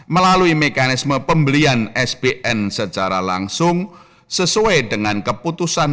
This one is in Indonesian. melalui mekanisme pembelian sbn secara langsung sesuai dengan keputusan